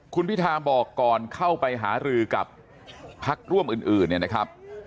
คุณพิทาบอกก่อนเข้าไปหารือกับพักร่วมอื่นเนี่ยนะครับ